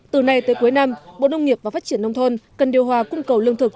từ nay tới cuối năm bộ nông nghiệp và phát triển nông thôn cần điều hòa cung cầu lương thực